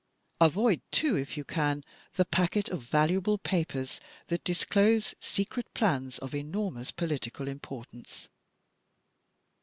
Avoid too, if you can, the packet of valuable papers that disclose secret plans of enormous political importance.